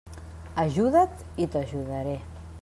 Ajuda't i t'ajudaré.